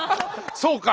そうか！